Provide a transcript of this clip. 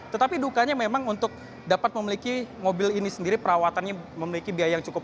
tetapi dukanya memang untuk dapat memiliki mobil ini sendiri perawatannya memiliki biaya yang cukup